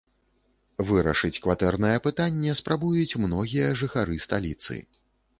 Вырашыць кватэрнае пытанне спрабуюць многія жыхары сталіцы.